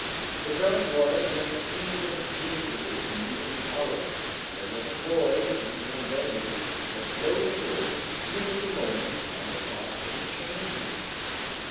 The current was an indefatigable moving power, and it was employed in conveying the floating wood to the moment when the frost enchained it.